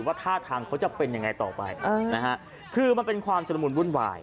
ว่าท่าทางเขาจะเป็นยังไงต่อไปคือมันเป็นความจรมูลวุ่นวาย